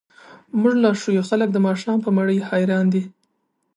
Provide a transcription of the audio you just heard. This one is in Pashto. موږ ليا ښه يو، خلګ د ماښام په مړۍ هريان دي.